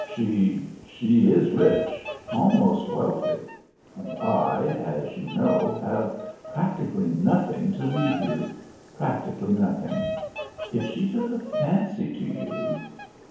She she is rich, almost wealthy; and I, as you know, have practically nothing to leave you practically nothing. If she took a fancy to you...."